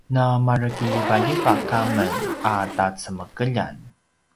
na mare kiljivaljivak amen a tacemekeljan